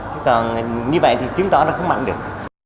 chứ còn như vậy thì chứng tỏ nó không mạnh được